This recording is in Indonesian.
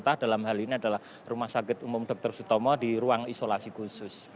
tentang dalam hal ini adalah rumah sakit umum dokter sito mo di ruang isolasi khusus